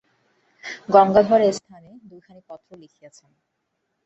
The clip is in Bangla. গঙ্গাধর এই স্থানে দুইখানি পত্র লিখিয়াছেন।